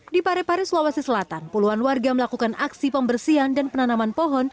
di parepare sulawesi selatan puluhan warga melakukan aksi pembersihan dan penanaman pohon